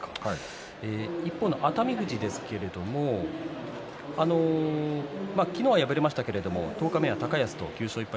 一方の熱海富士ですが昨日は敗れましたけれど十日目は高安と９勝１敗